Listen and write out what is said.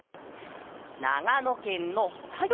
ながのけんのさよ